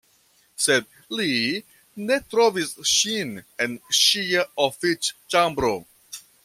Sed li ne trovis ŝin en ŝia oficĉambro.